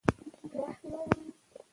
حضرت يوسف ع